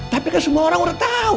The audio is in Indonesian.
tapi kan semua orang udah tahu